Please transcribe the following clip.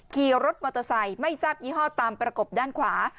ขี่รถมอเตอร์ไซค์ไม่ทราบยี่ห้อตามประกบด้านขวา